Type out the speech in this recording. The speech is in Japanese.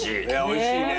おいしいね。